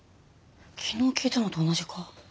昨日聞いたのと同じか？